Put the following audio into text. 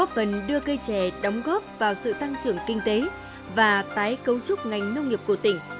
phần đưa cây trẻ đóng góp vào sự tăng trưởng kinh tế và tái cấu trúc ngành nông nghiệp của tỉnh